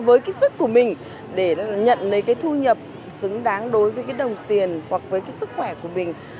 với cái sức của mình để nhận lấy cái thu nhập xứng đáng đối với cái đồng tiền hoặc với cái sức khỏe của mình